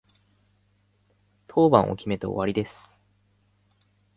当番を決めて終わりです。